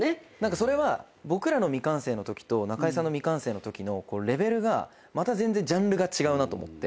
それは僕らの未完成のときと中居さんの未完成のときのレベルがまた全然ジャンルが違うなと思って。